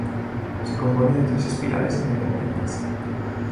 Se compone de tres espirales independientes.